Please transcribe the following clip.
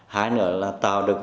hai nữa là tạo được